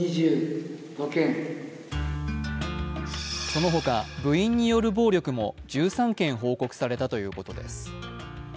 その他、部員による暴力も１３件報告されたということです。